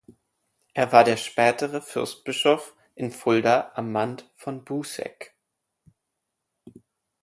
Es war der spätere Fürstbischof in Fulda Amand von Buseck.